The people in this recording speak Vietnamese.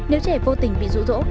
nếu trẻ vô tình bị dụ dỗ